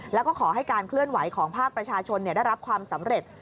แล้วก็ขอให้การเคลื่อนไหวของภาคประชาชนได้รับความสำเร็จ